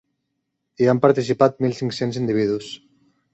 Hi han participat mil cinc-cents individus.